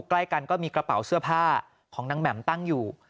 ใกล้กันก็มีกระเป๋าเสื้อผ้าของนางแหม่มตั้งอยู่